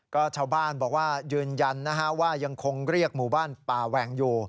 ก็ชาวบ้านบอกว่ายืนยันนะฮะว่ายังคงเรียกหมู่บ้านป่าแหว่งอยู่